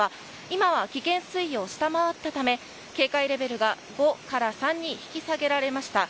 今は危険水位を下回ったため警戒レベルが５から３に引き下げられました。